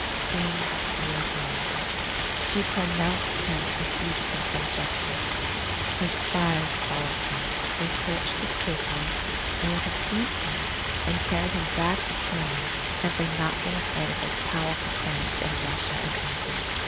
Spain feared Miranda. She pronounced him a fugitive from justice. Her spies followed him. They searched his papers; and would have seized him and carried him back to Spain, had they not been afraid of his powerful friends in Russia and England.